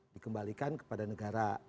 dikembalikan kepada negara